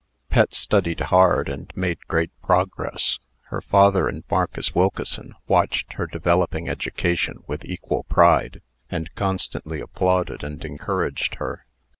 Pet studied hard, and made great progress. Her father and Marcus Wilkeson watched her developing education with equal pride, and constantly applauded and encouraged her.